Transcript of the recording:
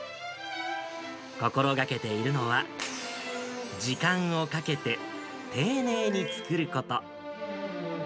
心がけているのは、時間をかけて、丁寧に作ること。